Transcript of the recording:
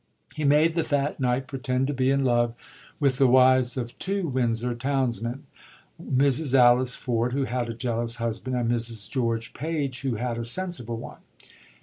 He made the fat knight pretend to be in love with the wives of two Windsor townsmen— Mrs. Alice Ford, who had a jealous husband; and Mrs. George Page, who had a sensible one.